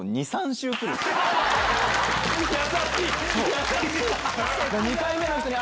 優しい！